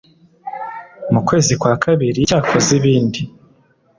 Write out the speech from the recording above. mu kwezi kwa kabiri cyakoze ibindi